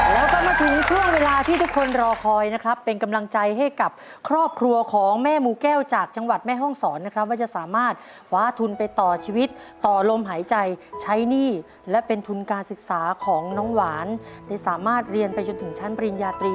แล้วก็มาถึงช่วงเวลาที่ทุกคนรอคอยนะครับเป็นกำลังใจให้กับครอบครัวของแม่มูแก้วจากจังหวัดแม่ห้องศรนะครับว่าจะสามารถคว้าทุนไปต่อชีวิตต่อลมหายใจใช้หนี้และเป็นทุนการศึกษาของน้องหวานได้สามารถเรียนไปจนถึงชั้นปริญญาตรี